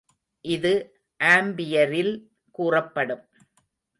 இது ஆம்பியரில் கூறப்படும்.